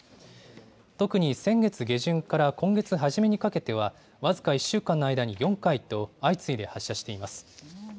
特に先月下旬から今月初めにかけては、僅か１週間の間に４回と、相次いで発射しています。